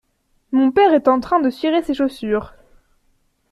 Mon père est en train de cirer ses chaussures.